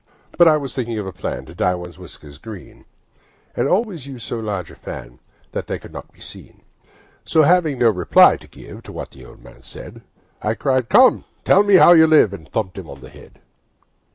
But I was thinking of a plan To dye one's whiskers green, And always use so large a fan That they could not be seen. So having no reply to give To what the old man said, I cried 'Come, tell me how you live!' nd thumped him on the head.